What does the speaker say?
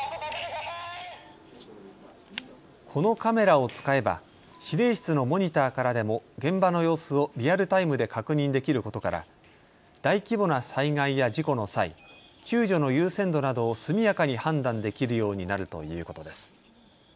このカメラを使えば司令室のモニターからでも現場の様子をリアルタイムで確認できることから大規模な災害や事故の際、救助の優先度などを速やかに判断できるようになるということです。